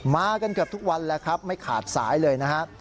มากันเกือบทุกวันแล้วครับไม่ขาดสายเลยนะฮะ